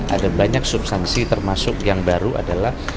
ada banyak substansi termasuk yang baru adalah